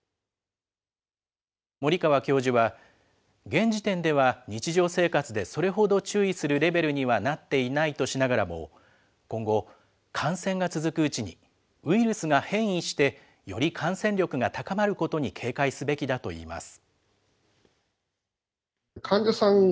森川教授は、現時点では日常生活でそれほど注意するレベルにはなっていないとしながらも、今後、感染が続くうちに、ウイルスが変異して、より感染力が高まることに警戒すべきだといいます。